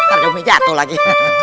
agak umi jatuh lagi